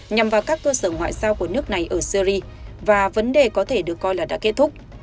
nhằm vào các cơ sở ngoại giao của nước này ở syri và vấn đề có thể được coi là đã kết thúc